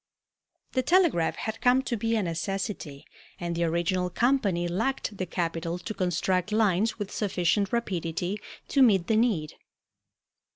The telegraph had come to be a necessity and the original company lacked the capital to construct lines with sufficient rapidity to meet the need.